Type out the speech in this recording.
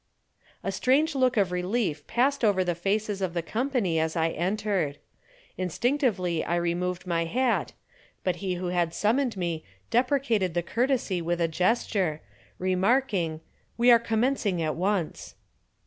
A strange look of relief passed over the faces of the company as I entered. Instinctively I removed my hat, but he who had summoned me deprecated the courtesy with a gesture, remarking, "We are commencing at once."